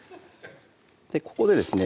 ここでですね